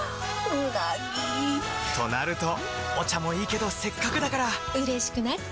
うなぎ！となるとお茶もいいけどせっかくだからうれしくなっちゃいますか！